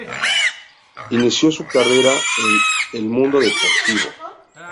Inició su carrera en "El Mundo Deportivo".